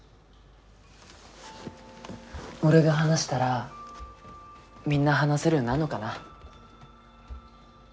俺が話したらみんな話せるようになんのかな。